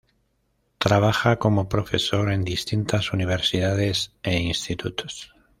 Trabaja como profesor en distintas universidades e institutos.